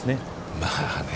まあね。